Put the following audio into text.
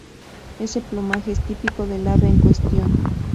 Ese plumaje es típico del ave en cuestión.